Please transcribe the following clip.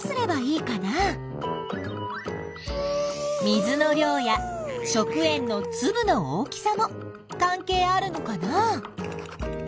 水の量や食塩のつぶの大きさも関係あるのかな？